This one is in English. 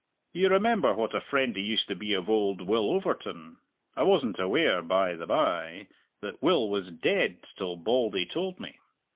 You remember what a friend he used to be of old Will Overton. I wasn't aware, by the bye, that Will was dead till Bauldy told me.